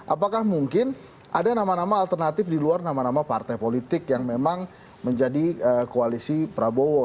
apakah mungkin ada nama nama alternatif di luar nama nama partai politik yang memang menjadi koalisi prabowo